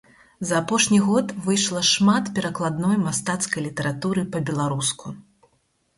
За апошні год выйшла шмат перакладной мастацкай літаратуры па-беларуску.